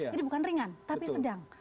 jadi bukan ringan tapi sedang